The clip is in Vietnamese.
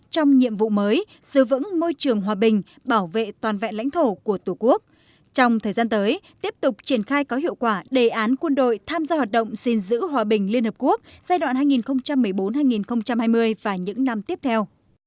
trong thời gian tới tiếp tục triển khai có hiệu quả đề án quân đội tham gia hoạt động xin giữ hòa bình liên hợp quốc giai đoạn hai nghìn một mươi bốn hai nghìn hai mươi và những năm tiếp theo